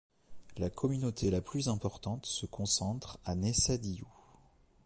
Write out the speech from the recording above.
La communauté la plus importante se concentre à Nessadiou.